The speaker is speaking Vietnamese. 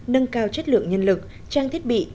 nâng cao chất lượng nhân lực trang thiết bị